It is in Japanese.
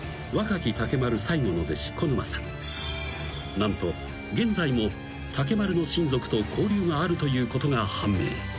［何と現在も竹丸の親族と交流があるということが判明］